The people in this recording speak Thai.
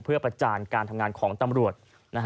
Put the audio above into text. เพื่อประจานการทำงานของตำรวจ